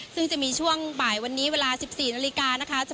ซึ่งจะมีช่วงบ่ายวันนี้เวลา๑๔นาฬิกานะคะ